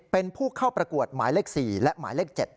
เป็นผู้เข้าประกวดหมายเลข๔และหมายเลข๗